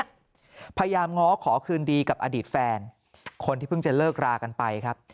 พยายามง้อขอคืนดีกับอดีตแฟนคนที่เพิ่งจะเลิกรากันไปครับ